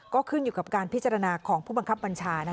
ก็ขึ้นอยู่กับการพิจารณาของผู้บังคับบัญชา